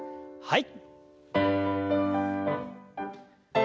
はい。